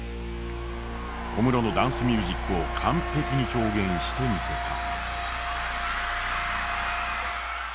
小室のダンスミュージックを完璧に表現してみせた。